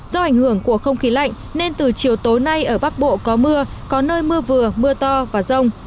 do ảnh hưởng của không khí lạnh nên từ chiều tối nay ở bắc bộ có mưa có nơi mưa vừa mưa to và rông